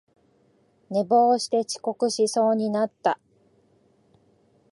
寝坊して遅刻しそうになった